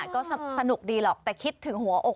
ก็สนุกดีหรอกแต่คิดถึงหัวอก